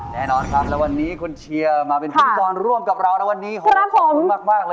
แน่นอนค่ะแล้วนี้คุณเชียร์มาเป็นพีมพีชร่วมกับเราระวันนี้โหครับผม